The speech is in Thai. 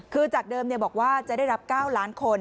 คือจากเดิมบอกว่าจะได้รับ๙ล้านคน